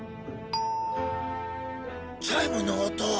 チャイムの音？